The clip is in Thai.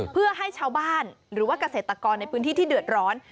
เพื่อให้ชาวบ้านหรือว่าเกษตรกรในพื้นที่ที่เดือดร้อน